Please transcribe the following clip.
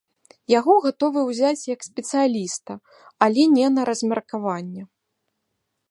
Яго гатовыя ўзяць як спецыяліста, але не на размеркаванне.